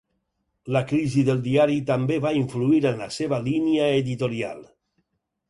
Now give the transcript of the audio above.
La crisi del diari també va influir en la seva línia editorial.